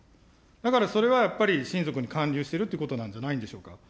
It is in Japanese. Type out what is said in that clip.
だから、それはやっぱり、親族に還流してるということなんじゃないでしょうか。